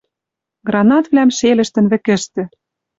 Гранатвлӓм шелӹштӹн вӹкӹштӹ.